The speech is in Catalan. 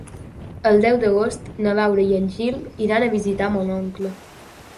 El deu d'agost na Laura i en Gil iran a visitar mon oncle.